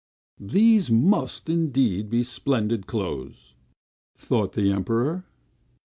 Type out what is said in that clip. "These must, indeed, be splendid clothes!" thought the Emperor.